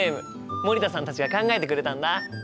森田さんたちが考えてくれたんだ！